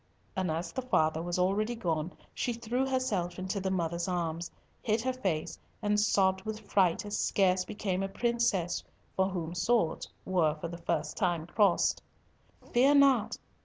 and as the father was already gone, she threw herself into the mother's arms, hid her face and sobbed with fright as scarce became a princess for whom swords were for the first time crossed. "Fear not!